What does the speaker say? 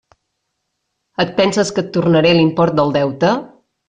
Et penses que et tornaré l'import del deute?